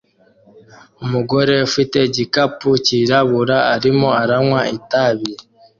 Umugore ufite igikapu cyirabura arimo aranywa itabi